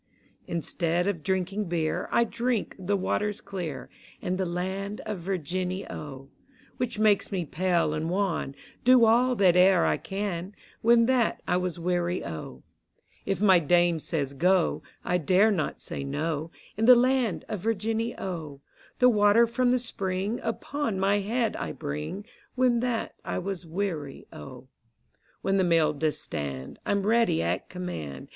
Instead of drinking Beer, I drink the waters clear. In the land of Virginny, O: Which makes me pale and wan, Do all that e'er I can, When that I was weary, O. Digitized by Google 220 VIRGINIA HISTORICAL MAGAZINE. If my. Dame says, Go, I dare not say no, In the land of Virginny, O: The water from the spring Upon my head I bring, When that I was weary, O. When the Mill doth stand, I'm ready at command.